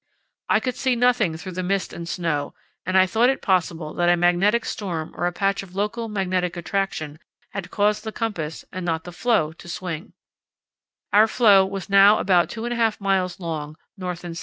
I could see nothing through the mist and snow, and I thought it possible that a magnetic storm or a patch of local magnetic attraction had caused the compass, and not the floe, to swing, Our floe was now about 2½ miles long north and south and 3 miles wide east and west.